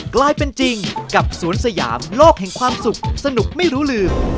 กลายเป็นจริงกับสวนสยามโลกแห่งความสุขสนุกไม่รู้ลืม